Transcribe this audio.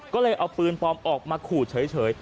ก็เลยเอาปืนปลอมออกมาขู่เฉย